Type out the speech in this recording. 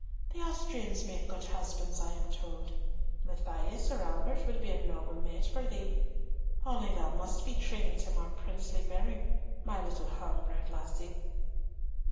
The Austrians make good husbands, I am told. Matthias or Albert would be a noble mate for thee; only thou must be trained to more princely bearing, my little home bred lassie."